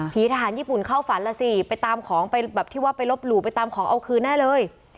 ทหารญี่ปุ่นเข้าฝันล่ะสิไปตามของไปแบบที่ว่าไปลบหลู่ไปตามของเอาคืนแน่เลย